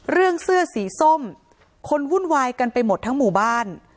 เสื้อสีส้มคนวุ่นวายกันไปหมดทั้งหมู่บ้าน